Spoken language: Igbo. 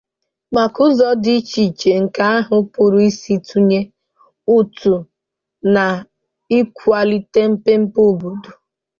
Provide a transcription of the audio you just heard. nakwa ụzọ dị iche iche nke ahụ pụrụ isi tụnye ụtụ n'ịkwàlite mmepe obodo